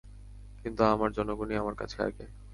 কিন্তু আমার জনগণই আমার কাছে আগে।